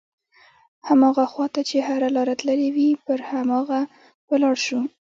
هماغه خواته چې هره لاره تللې وي پر هماغه به لاړ شو.